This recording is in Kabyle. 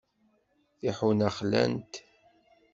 Tiḥuna xlant.